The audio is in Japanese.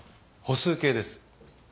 歩数計です。